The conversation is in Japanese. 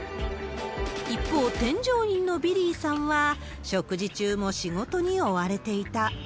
一方、添乗員のビリーさんは、食事中も仕事に追われていた。